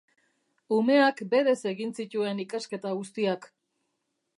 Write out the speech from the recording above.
Umeak berez egin zituen ikasketa guztiak.